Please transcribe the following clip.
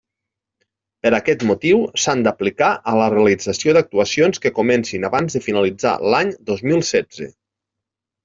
Per aquest motiu, s'han d'aplicar a la realització d'actuacions que comencin abans de finalitzar l'any dos mil setze.